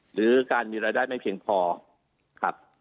หรือการมีรายได้ไม่เพียงพอครับ